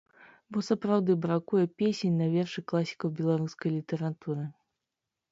Бо сапраўды бракуе песень на вершы класікаў беларускай літаратуры.